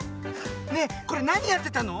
ねえこれなにやってたの？